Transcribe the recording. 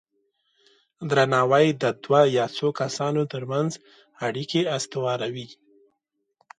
درناوی د دوه یا څو کسانو ترمنځ اړیکې استواروي.